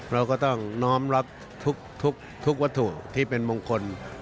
เราก็ต้องน้อมรับทุกวัตถุที่เป็นมงคล